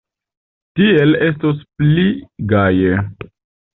Tiel estos pli gaje.